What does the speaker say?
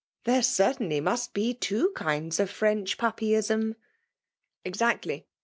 There certainly must be iwo kinds of French puppyism." " ^Exactly